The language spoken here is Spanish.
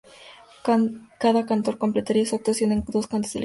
Cada cantaor completaría su actuación con dos cantes elegidos por el propio artista.